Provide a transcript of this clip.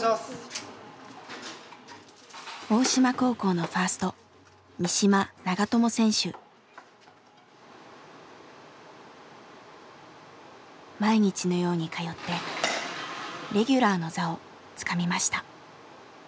大島高校の毎日のように通ってレギュラーの座をつかみました。